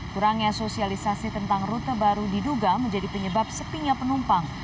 kurangnya sosialisasi tentang rute baru diduga menjadi penyebab sepinya penumpang